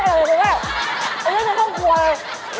ยักษ์มาเลย